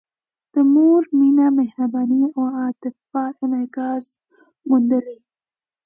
د مور مینه، مهرباني او عاطفه انعکاس موندلی.